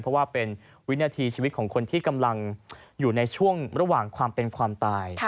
เพราะว่าเป็นวินาทีชีวิตของคนที่กำลังอยู่ในช่วงระหว่างความเป็นความตาย